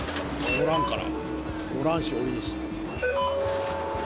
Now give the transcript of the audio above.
乗らんから。